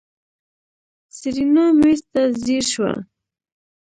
سېرېنا مېز ته ځير شوه.